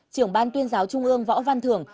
trưởng ban tuyên giáo trung ương võ văn thưởng